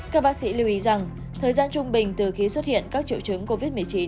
các bác sĩ lưu ý rằng thời gian trung bình từ khi xuất hiện các triệu chứng covid một mươi chín